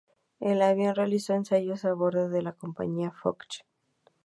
El avión realizó ensayos a bordo de la Compañía Foch.